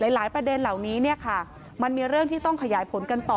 หลายประเด็นเหล่านี้มันมีเรื่องที่ต้องขยายผลกันต่อ